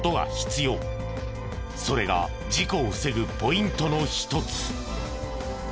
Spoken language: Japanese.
それが事故を防ぐポイントの一つ。